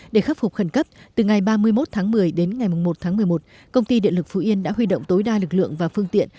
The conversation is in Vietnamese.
để khắc phục khẩn cấp từ ngày ba mươi một tháng một mươi đến ngày một tháng một mươi một công ty điện lực phú yên đã huy động tối đa lực lượng và phương tiện